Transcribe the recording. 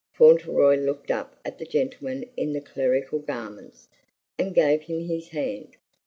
Fauntleroy looked up at the gentleman in the clerical garments, and gave him his hand.